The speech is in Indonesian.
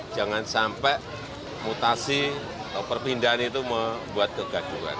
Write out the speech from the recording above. jangan sampai mutasi atau perpindahan itu membuat kegaduhan